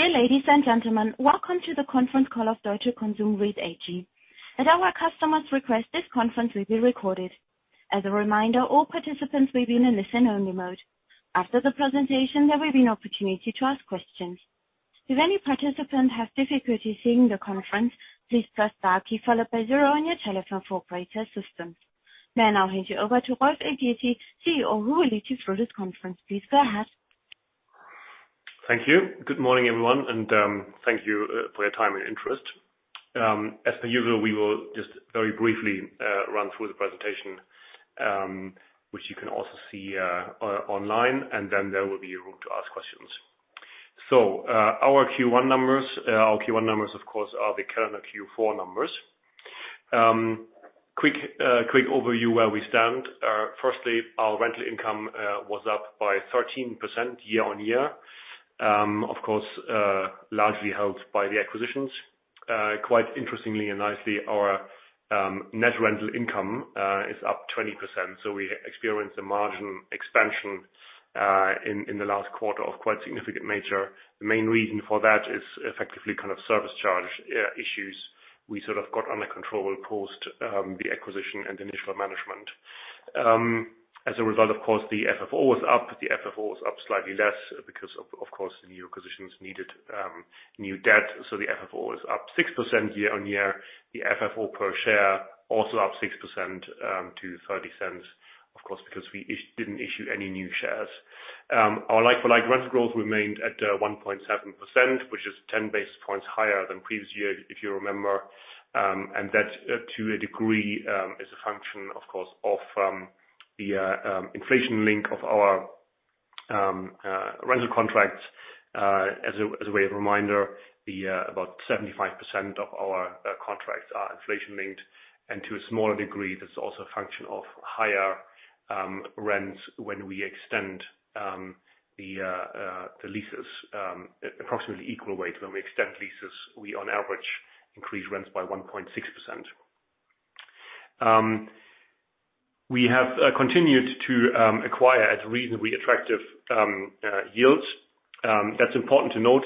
Dear ladies and gentlemen, welcome to the conference call of Deutsche Konsum REIT-AG. At our customer's request, this conference will be recorded. As a reminder, all participants will be in a listen-only mode. After the presentation, there will be an opportunity to ask questions. If any participants have difficulty seeing the conference, please press star key followed by zero on your telephone for operator assistance. May I now hand you over to Rolf Elgeti, CEO, who will lead you through this conference. Please go ahead. Thank you. Good morning, everyone, and thank you for your time and interest. As per usual, we will just very briefly run through the presentation, which you can also see online, and then there will be time to ask questions. Our Q1 numbers, of course, are the current Q4 numbers. Quick overview of where we stand. Firstly, our rental income was up by 13% year-on-year. Of course, largely helped by the acquisitions. Quite interestingly and nicely, our net rental income is up 20%, so we experienced a margin expansion in the last quarter of quite significant nature. The main reason for that is effectively kind of service charge issues we sort of got under control post the acquisition and initial management. As a result, of course, the FFO was up. The FFO was up slightly less because of course, the new acquisitions needed new debt. The FFO was up 6% year-on-year. The FFO per share also up 6% to 0.30, of course, because we didn't issue any new shares. Our like-for-like rent growth remained at 1.7%, which is 10 basis points higher than previous year, if you remember. That to a degree is a function, of course, of the inflation link of our rental contracts. As a way of reminder, that's about 75% of our contracts are inflation-linked, and to a smaller degree, that's also a function of higher rents when we extend the leases, approximately equal weight. When we extend leases, we on average increase rents by 1.6%. We have continued to acquire at reasonably attractive yields. That's important to note.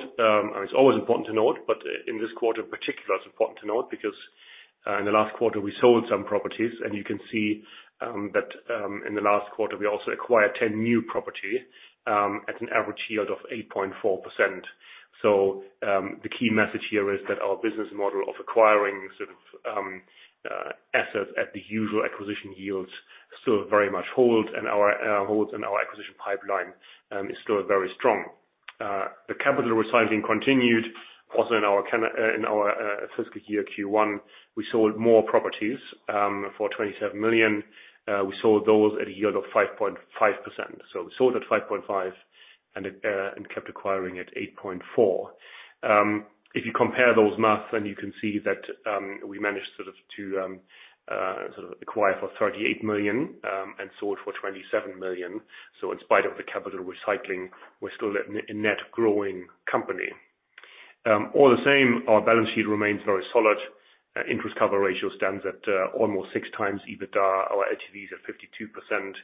It's always important to note, but in this quarter in particular, it's important to note because in the last quarter we sold some properties and you can see that in the last quarter, we also acquired 10 new properties at an average yield of 8.4%. The key message here is that our business model of acquiring sort of assets at the usual acquisition yields still very much hold, and our holds and our acquisition pipeline is still very strong. The capital recycling continued also in our fiscal year Q1. We sold more properties for 27 million. We sold those at a yield of 5.5%. We sold at 5.5% and kept acquiring at 8.4%. If you compare those maths then you can see that we managed sort of to acquire for 38 million and sold for 27 million. In spite of the capital recycling, we're still a net growing company. All the same, our balance sheet remains very solid. Interest cover ratio stands at almost 6x EBITDA. Our LTVs are 52%.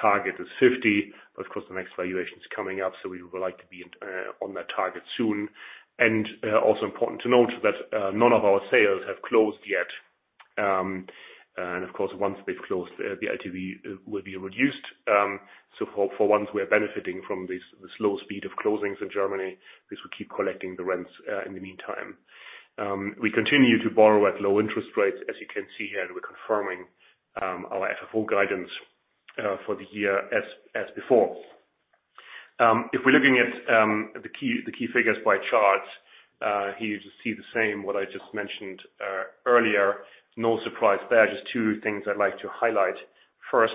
Target is 50%, but of course, the next valuation is coming up, so we would like to be in on that target soon. Also important to note that none of our sales have closed yet. Of course, once they've closed, the LTV will be reduced. So, for once we are benefiting from this, the slow speed of closings in Germany because we keep collecting the rents in the meantime. We continue to borrow at low interest rates, as you can see here, and we're confirming our FFO guidance for the year as before. If we're looking at the key figures by charts, here you see the same what I just mentioned earlier. No surprise there. Just two things I'd like to highlight. First,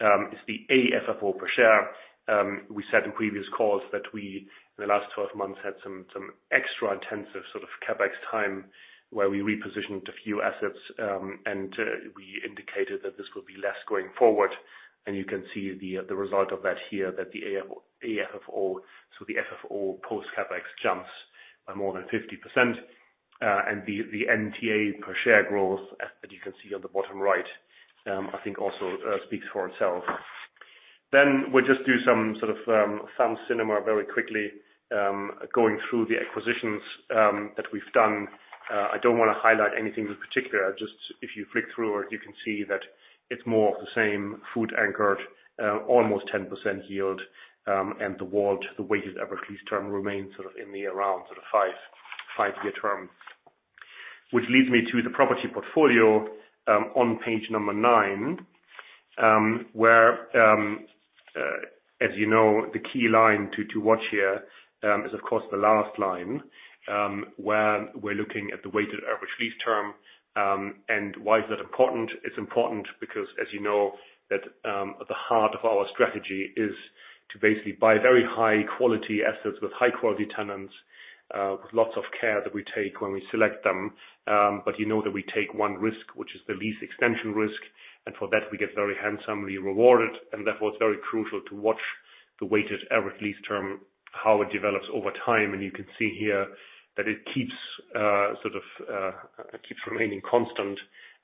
is the AFFO per share. We said in previous calls that we, in the last 12 months, had some extra intensive sort of CapEx time where we repositioned a few assets, and we indicated that this will be less going forward. You can see the result of that here, that the AFFO, so the FFO post CapEx jumps by more than 50%. The NTA per share growth that you can see on the bottom right, I think also speaks for itself. We'll just do some sort of fund cinema very quickly, going through the acquisitions that we've done. I don't wanna highlight anything in particular. Just if you flick through or you can see that it's more of the same food anchored, almost 10% yield, and the WALT, the weighted average lease term, remains sort of in the around sort of five-year term. Which leads me to the property portfolio, on page number nine, where, as you know, the key line to watch here is of course the last line, where we're looking at the weighted average lease term. Why is that important? It's important because, as you know, that at the heart of our strategy is to basically buy very high-quality assets with high quality tenants, with lots of care that we take when we select them. You know that we take one risk, which is the lease extension risk, and for that we get very handsomely rewarded. Therefore, it's very crucial to watch the weighted average lease term, how it develops over time, and you can see here that it keeps sort of keeps remaining constant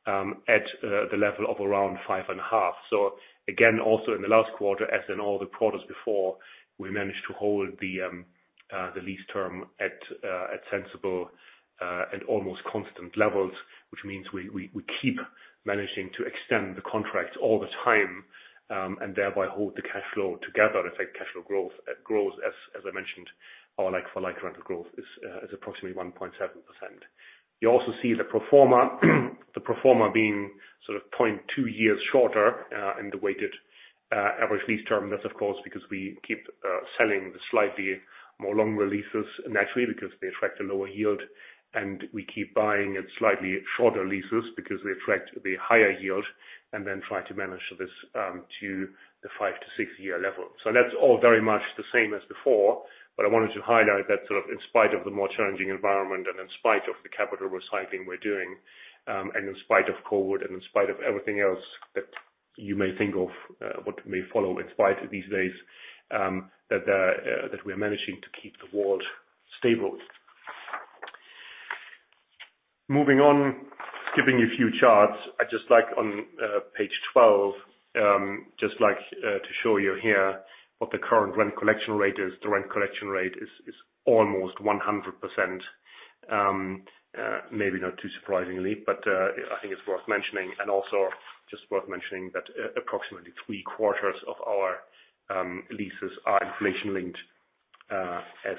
at the level of around 5.5%. Again, also in the last quarter, as in all the quarters before, we managed to hold the lease term at sensible and almost constant levels, which means we keep managing to extend the contracts all the time and thereby hold the cash flow together. In fact, cash flow growth grows as I mentioned, our like-for-like rental growth is approximately 1.7%. You also see the pro forma, the pro forma being sort of 0.2 years shorter in the weighted average lease term. That's of course because we keep selling the slightly longer leases naturally because they attract a lower yield, and we keep buying at slightly shorter leases because they attract the higher yield and then try to manage this to the five to six-year level. That's all very much the same as before, but I wanted to highlight that sort of in spite of the more challenging environment and in spite of the capital recycling we're doing, and in spite of COVID, and in spite of everything else that you may think of, what may follow in spite of these days, that we are managing to keep the WALT stable. Moving on, skipping a few charts. I'd just like on page 12 just like to show you here what the current rent collection rate is. The rent collection rate is almost 100%. Maybe not too surprisingly, but I think it's worth mentioning and also just worth mentioning that approximately 3/4 of our leases are inflation-linked, as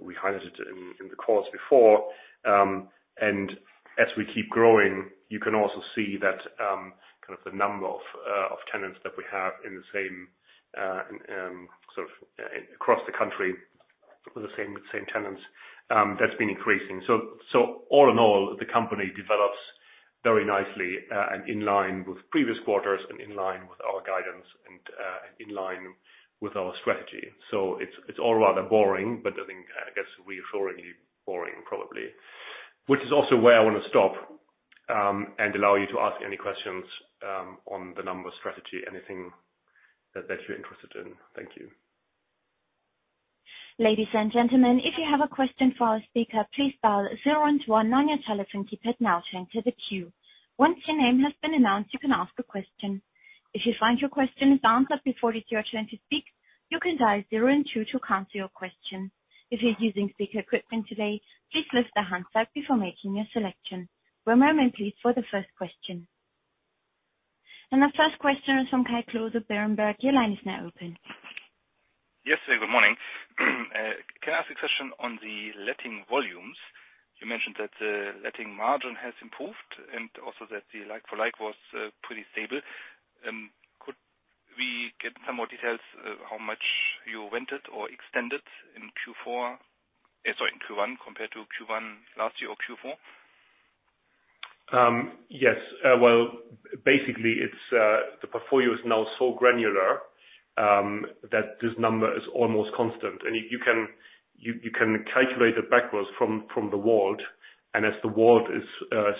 we highlighted in the quarters before. As we keep growing, you can also see that kind of the number of tenants that we have in the same and sort of across the country with the same tenants, that's been increasing. All in all, the company develops very nicely and in line with previous quarters and in line with our guidance and in line with our strategy. It's all rather boring, but I think, I guess reassuringly boring probably. Which is also where I wanna stop, and allow you to ask any questions, on the numbers strategy, anything that you're interested in. Thank you. Ladies and gentlemen, if you have a question for our speaker, please dial zero and one nine your telephone keypad now to enter the queue. Once your name has been announced, you can ask a question. If you find your question is answered before it is your turn to speak, you can dial zero and two to cancel your question. If you're using speaker equipment today, please lift the handset before making your selection. One moment please for the first question. The first question is from Kai Klose of Berenberg. Your line is now open. Yes. Good morning. Can I ask a question on the letting volumes? You mentioned that letting margin has improved and also that the like-for-like was pretty stable. Could we get some more details how much you rented or extended in Q4? Sorry, in Q1 compared to Q1 last year or Q4? Yes. Well, basically it's the portfolio is now so granular that this number is almost constant. You can calculate it backwards from the WALT. As the WALT is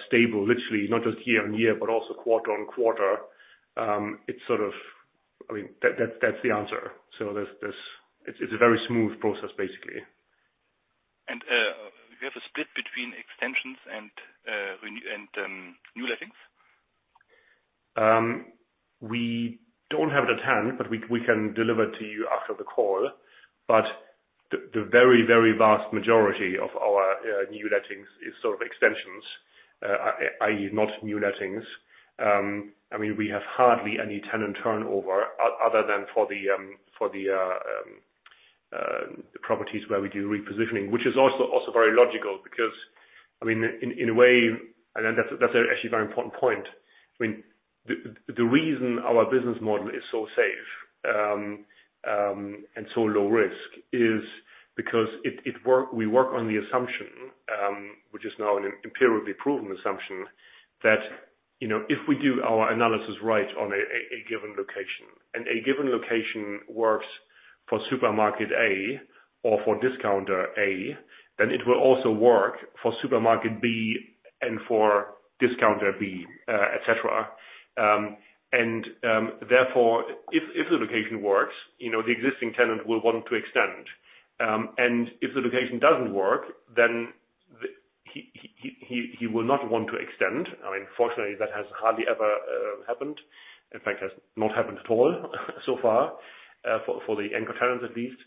stable, literally not just year-on-year, but also quarter-on-quarter, it's sort of. I mean, that's the answer. There's. It's a very smooth process, basically. Do you have a split between extensions and new lettings? We don't have it at hand, but we can deliver to you after the call. The very, very vast majority of our new lettings is sort of extensions, i.e., not new lettings. I mean, we have hardly any tenant turnover other than for the properties where we do repositioning, which is also very logical because, I mean, in a way, and that's actually a very important point. I mean, the reason our business model is so safe and so low risk is because we work on the assumption, which is now an empirically proven assumption, that, you know, if we do our analysis right on a given location and a given location works for supermarket A or for discounter A, then it will also work for supermarket B and for discounter B, et cetera. Therefore, if the location works, you know, the existing tenant will want to extend. And if the location doesn't work, then he will not want to extend. I mean, fortunately, that has hardly ever happened. In fact, has not happened at all so far, for the anchor tenants at least.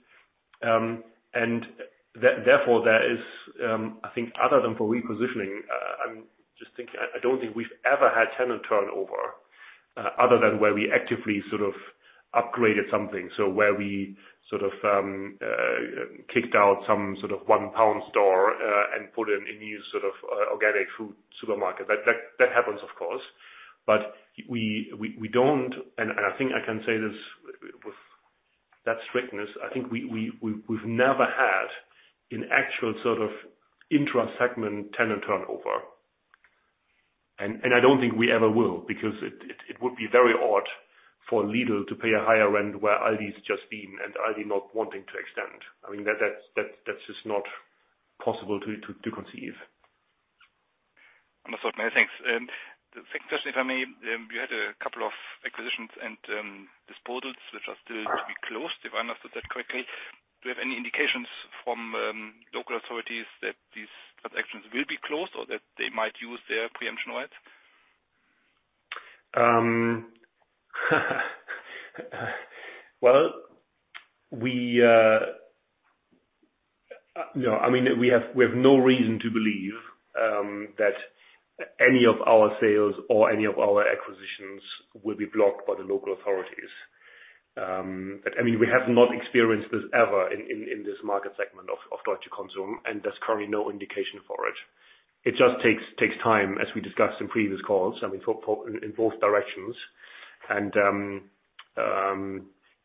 Therefore, there is, I think other than for repositioning, I'm just thinking, I don't think we've ever had tenant turnover, other than where we actively sort of upgraded something. Where we sort of kicked out some sort of one-pound store and put in a new sort of organic food supermarket. That happens of course, but we don't. I think I can say this with that strictness; I think we've never had an actual sort of intra-segment tenant turnover. I don't think we ever will because it would be very odd for Lidl to pay a higher rent where ALDIs just been and ALDI not wanting to extend. I mean, that's just not possible to conceive. Understood. Many thanks. The second question, if I may, you had a couple of acquisitions and disposals which are still to be closed, if I understood that correctly. Do you have any indications from local authorities that these transactions will be closed or that they might use their preemption rights? Well, you know, I mean, we have no reason to believe that any of our sales or any of our acquisitions will be blocked by the local authorities. I mean, we have not experienced this ever in this market segment of Deutsche Konsum, and there's currently no indication for it. It just takes time, as we discussed in previous calls, I mean, in both directions.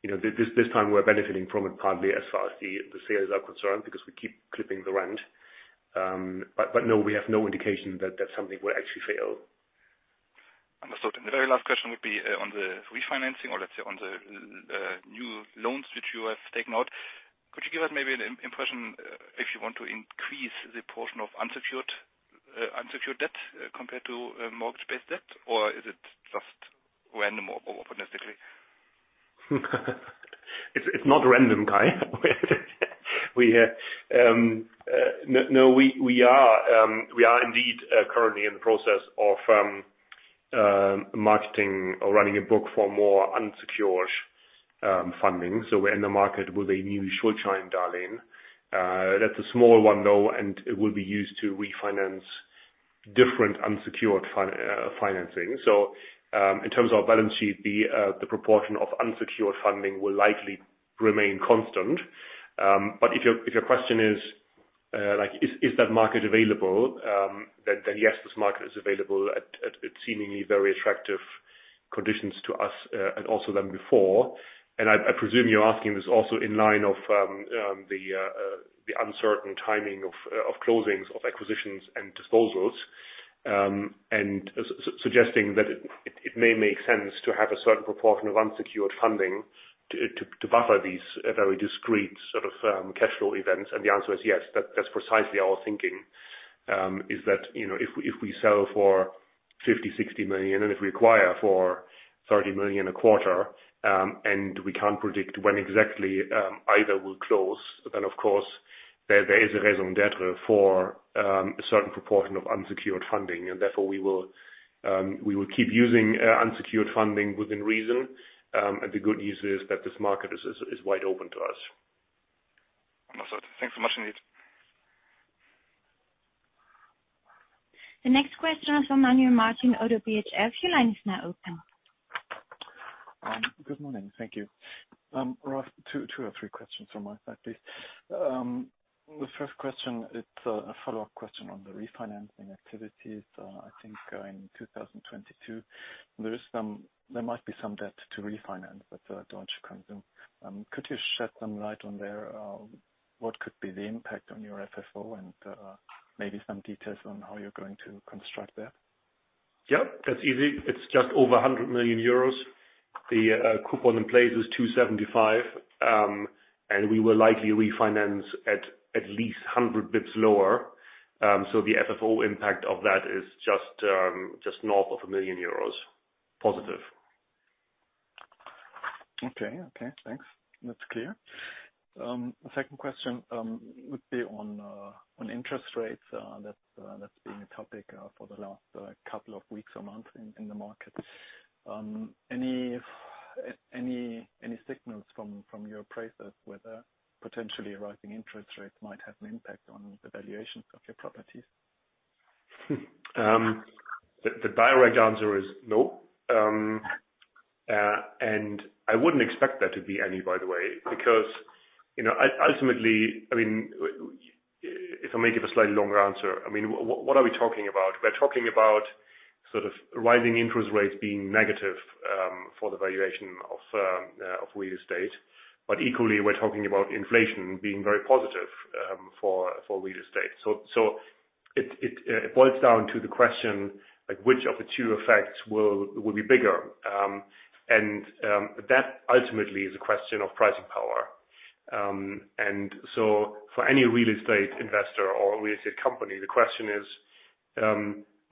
You know, this time we're benefiting from it partly as far as the sales are concerned because we keep collecting the rent. No, we have no indication that something will actually fail. Understood. The very last question would be on the refinancing or let's say on the new loans which you have taken out. Could you give us maybe an impression if you want to increase the portion of unsecured debt compared to mortgage-based debt, or is it just random or opportunistically? It's not random, Kai. We are indeed currently in the process of marketing or running a book for more unsecured funding. We're in the market with a new [unsecured bond] that was more one know and it will be used to re-finance different unsecured financing. In terms of balance sheet, the proportion of unsecured funding will likely remain constant. If your question is, if that market is available, then yes, this market is available at seemingly very attractive conditions to us. Also, number four. I presume you're asking this also in line with the uncertain timing of closings, acquisitions, and disposals and suggesting that it may make sense to have a certain pro forma secured funding to buffer this a very discreet cashflow event and the answer is yes. That is precisely our thinking. If we sell for 50 million-60 million and we acquire for 30 million a quarter and we can't predict when exactly either will close. Then of course, there is reasonable debt for certain proportion of unsecured funding. We will keep using unsecured funding within reason as a good use as this market is wide open to us. Thank you so much. The next question is from Manuel Martin, ODDO BHF. Your line is now open. Good morning. Thank you. Rolf, two or three questions from my side, please. The first question, it's a follow-up question on the refinancing activities, I think, in 2022. There might be some debt to refinance at Deutsche Konsum. Could you shed some light on that, what could be the impact on your FFO and maybe some details on how you're going to construct that? Yeah, that's easy. It's just over 100 million euros. The coupon in place is 2.75, and we will likely refinance at least 100 basis points lower. So the FFO impact of that is just north of 1 million euros positive. Okay. Okay, thanks. That's clear. The second question would be on interest rates, that's been a topic for the last couple of weeks or months in the market. Any signals from your prices whether potentially rising interest rates might have an impact on the valuations of your properties? The direct answer is no. I wouldn't expect there to be any, by the way, because, you know, ultimately, I mean, if I may give a slightly longer answer, I mean, what are we talking about? We're talking about sort of rising interest rates being negative for the valuation of real estate. But equally, we're talking about inflation being very positive for real estate. It boils down to the question, like which of the two effects will be bigger? That ultimately is a question of pricing power. For any real estate investor or real estate company, the question is,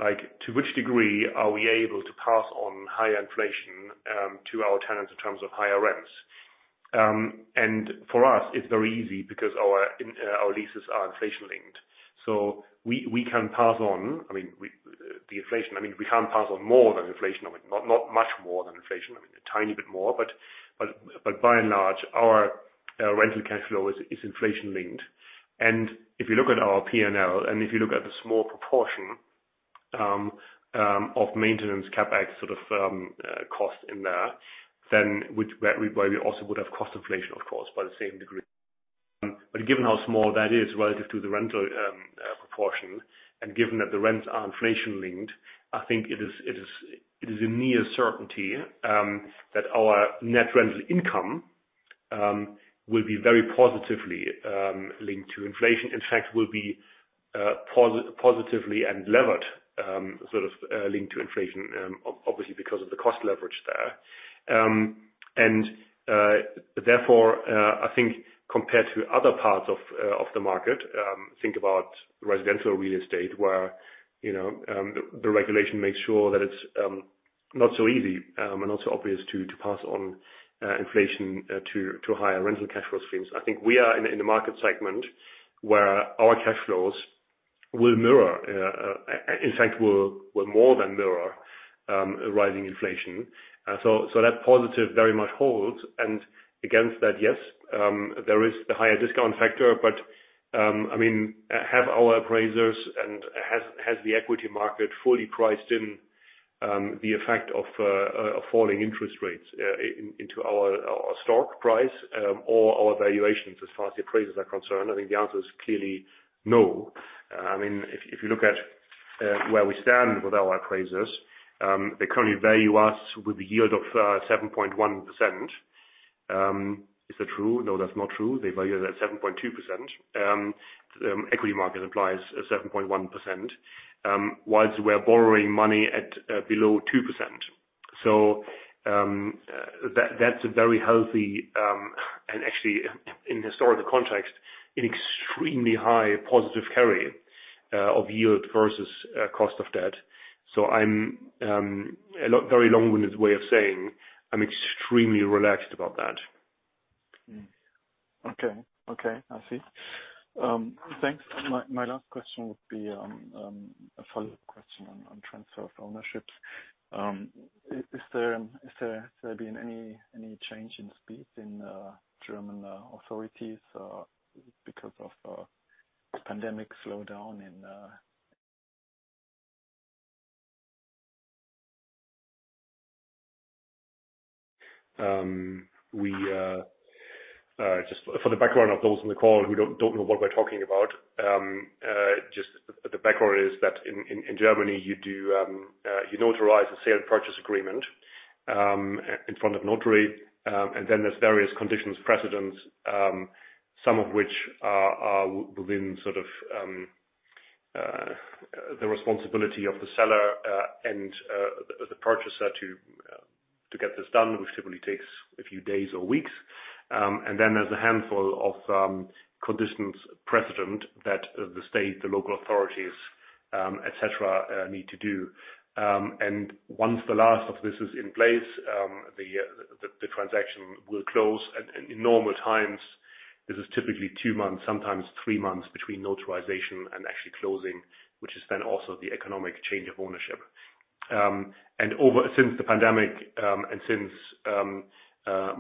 like, to which degree are we able to pass on higher inflation to our tenants in terms of higher rents? For us, it's very easy because our leases are inflation linked. We can pass on the inflation. I mean, we can't pass on more than inflation. I mean, not much more than inflation. I mean, a tiny bit more. But by and large, our rental cash flow is inflation linked. If you look at our P&L and the small proportion of maintenance CapEx sort of cost in there, then where we also would have cost inflation, of course, by the same degree. Given how small that is relative to the rental proportion and given that the rents are inflation-linked, I think it is a near certainty that our net rental income will be very positively linked to inflation. In fact, it will be positively and levered sort of linked to inflation, obviously because of the cost leverage there. Therefore, I think compared to other parts of the market, think about residential real estate where, you know, the regulation makes sure that it's not so easy and not so obvious to pass on inflation to higher rental cash flow streams. I think we are in the market segment where our cash flows will mirror, in fact, will more than mirror, rising inflation. That positive very much holds. Against that, yes, there is the higher discount factor. I mean, have our appraisers and has the equity market fully priced in, the effect of, falling interest rates, into our stock price, or our valuations as far as the appraisers are concerned? I think the answer is clearly no. I mean, if you look at, where we stand with our appraisers, they currently value us with a yield of, 7.1%. Is that true? No, that's not true. They value it at 7.2%. The equity market applies at 7.1%, whilst we're borrowing money at below 2%. That's a very healthy, and actually in historical context, an extremely high positive carry of yield versus cost of debt. I'm very long-winded way of saying I'm extremely relaxed about that. Okay, I see. Thanks. My last question would be a follow-up question on transfer of ownership. Has there been any change in speed in German authorities because of pandemic slowdown in... Just for the background of those on the call who don't know what we're talking about, just the background is that in Germany, you notarize a sale and purchase agreement in front of notary. Then there's various conditions precedent, some of which are within sort of the responsibility of the seller and the purchaser to get this done, which typically takes a few days or weeks. There's a handful of conditions precedent that the state, the local authorities, et cetera, need to do. Once the last of this is in place, the transaction will close. In normal times, this is typically two months, sometimes three months between notarization and actually closing, which is then also the economic change of ownership. Since the pandemic, and since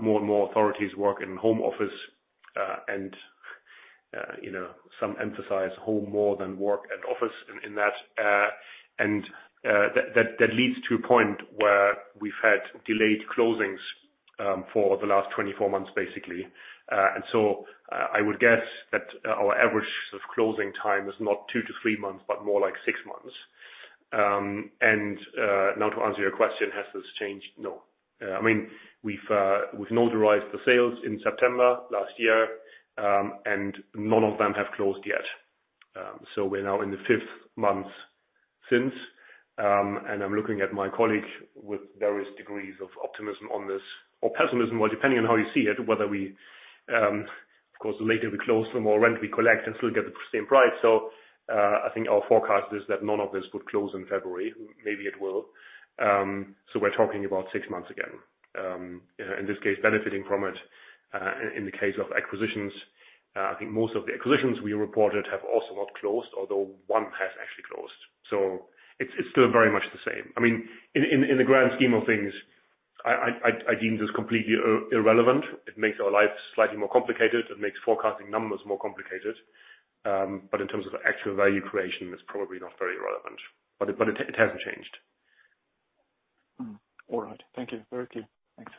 more and more authorities work in home office, and you know, some emphasize home more than work and office in that, and that leads to a point where we've had delayed closings for the last 24 months, basically. I would guess that our average of closing time is not two to three months, but more like six months. Now to answer your question, has this changed? No. I mean, we've notarized the sales in September last year, and none of them have closed yet. We're now in the fifth month since, and I'm looking at my colleague with various degrees of optimism on this or pessimism. Well, depending on how you see it, whether we, of course, the later we close, the more rent we collect and still get the same price. I think our forecast is that none of this would close in February. Maybe it will. We're talking about six months again, in this case benefiting from it. In the case of acquisitions, I think most of the acquisitions we reported have also not closed, although one has actually closed. It's still very much the same. I mean, in the grand scheme of things, I deem this completely irrelevant. It makes our lives slightly more complicated. It makes forecasting numbers more complicated. In terms of actual value creation, it's probably not very relevant. It hasn't changed. All right. Thank you. Very clear. Thanks.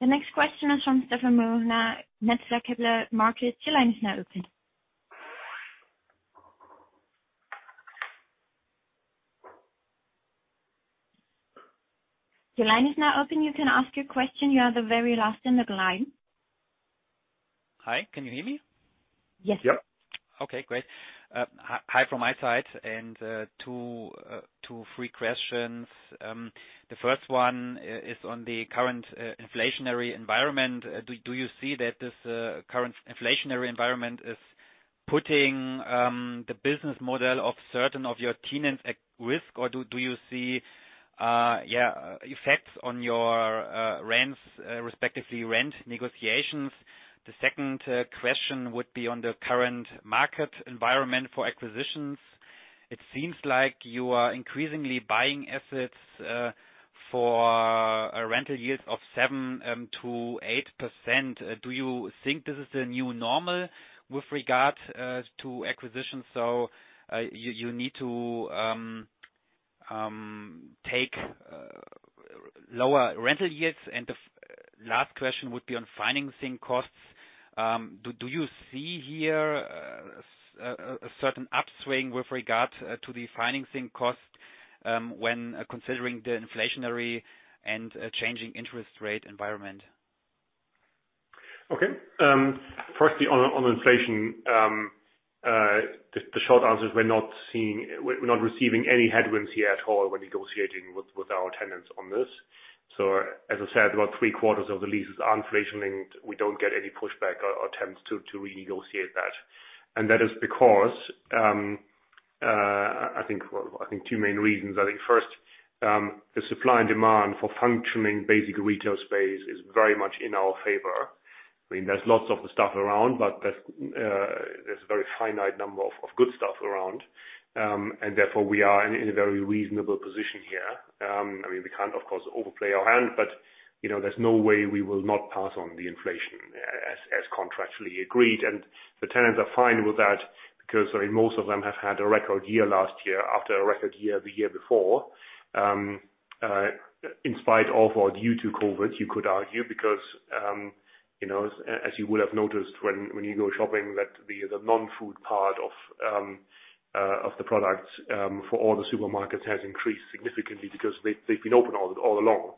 The next question is from Stefan. Your line is now open. You can ask your question. You are the very last in the line. Hi, can you hear me? Yes. Okay, great. Hi from my side and two, three questions. The first one is on the current inflationary environment. Do you see that this current inflationary environment is putting the business model of certain of your tenants at risk? Or do you see any effects on your rents respectively rent negotiations? The second question would be on the current market environment for acquisitions. It seems like you are increasingly buying assets for a rental yield of 7%-8%. Do you think this is the new normal with regard to acquisitions, so you need to take lower rental yields? The last question would be on financing costs. Do you see here a certain upswing with regard to the financing cost when considering the inflationary and changing interest rate environment? Okay. Firstly on inflation, the short answer is we're not receiving any headwinds here at all when negotiating with our tenants on this. As I said, about three quarters of the leases are inflation linked. We don't get any pushback or attempts to renegotiate that. That is because I think, well, two main reasons. I think first, the supply and demand for functioning basic retail space is very much in our favor. I mean, there's lots of stuff around, but there's a very finite number of good stuff around. Therefore we are in a very reasonable position here. I mean, we can't, of course, overplay our hand, but, you know, there's no way we will not pass on the inflation as contractually agreed. The tenants are fine with that because, I mean, most of them have had a record year last year after a record year the year before. In spite of or due to COVID, you could argue because, you know, as you would have noticed when you go shopping that the non-food part of the products for all the supermarkets has increased significantly because they've been open all along.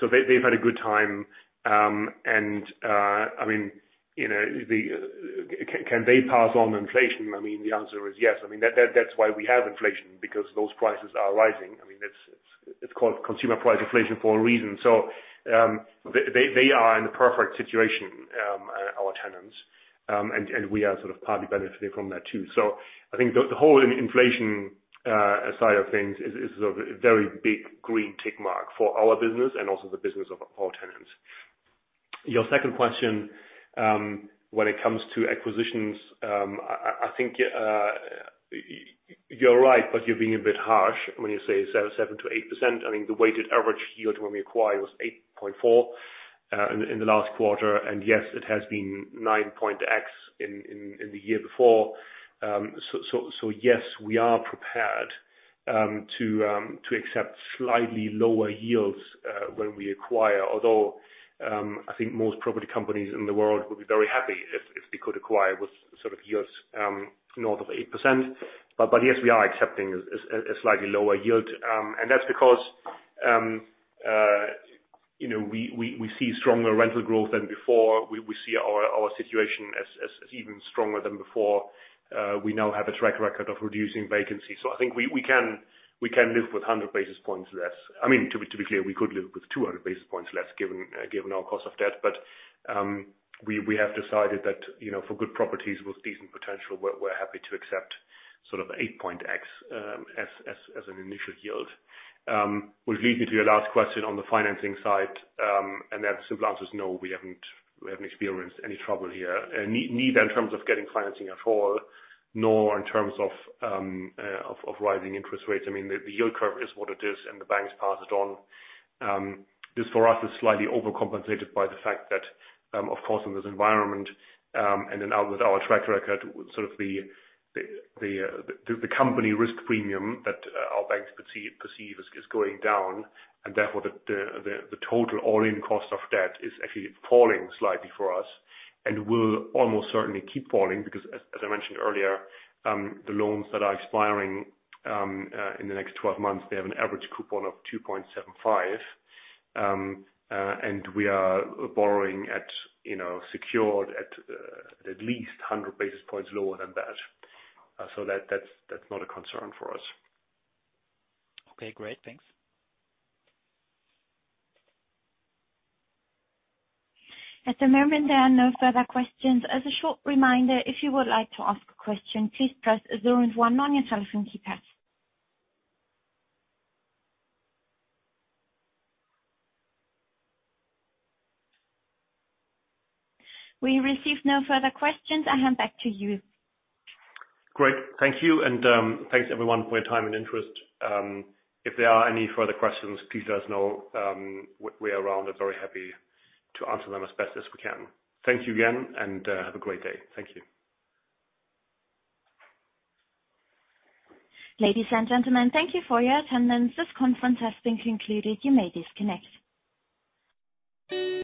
They've had a good time. I mean, you know, can they pass on inflation? I mean, the answer is yes. I mean, that's why we have inflation, because those prices are rising. I mean, it's called consumer price inflation for a reason. They are in the perfect situation, our tenants, and we are sort of partly benefiting from that too. I think the whole inflation side of things is a very big green tick mark for our business and also the business of our tenants. Your second question, when it comes to acquisitions, I think you're right, but you're being a bit harsh when you say 7%-8%. I mean, the weighted average yield when we acquired was 8.4% in the last quarter. Yes, it has been 9.x% in the year before. Yes, we are prepared to accept slightly lower yields when we acquire, although I think most property companies in the world would be very happy if they could acquire with sort of yields north of 8%. Yes, we are accepting a slightly lower yield. That's because you know, we see stronger rental growth than before. We see our situation as even stronger than before. We now have a track record of reducing vacancy. I think we can live with 100 basis points less. I mean, to be clear, we could live with 200 basis points less given our cost of debt. We have decided that, you know, for good properties with decent potential, we're happy to accept sort of 8.x% as an initial yield. Which leads me to your last question on the financing side. The simple answer is no, we haven't. We haven't experienced any trouble here. Neither in terms of getting financing at all, nor in terms of rising interest rates. I mean, the yield curve is what it is, and the banks pass it on. This for us is slightly overcompensated by the fact that, of course, in this environment, and then now with our track record with sort of the company risk premium that our banks perceive as is going down, and therefore the total all-in cost of debt is actually falling slightly for us and will almost certainly keep falling because as I mentioed earlier, the loans that are expiring in the next 12 months, they have an average coupon of 2.75%. We are borrowing at, you know, secured at least 100 basis points lower than that. That's not a concern for us. Okay, great. Thanks. At the moment, there are no further questions. As a short reminder, if you would like to ask a question, please press zero and one on your telephone keypad. We receive no further questions. I hand back to you. Great. Thank you, and thanks everyone for your time and interest. If there are any further questions, please let us know, we're around and very happy to answer them as best as we can. Thank you again, and have a great day. Thank you. Ladies and gentlemen, thank you for your attendance. This conference has been concluded. You may disconnect.